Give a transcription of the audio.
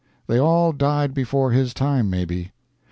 They all died before his time, maybe.